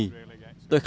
tôi khá thích